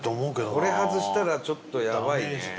これ外したらちょっとやばいね